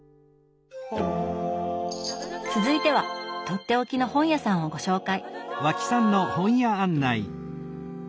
続いてはとっておきの本屋さんをご紹介。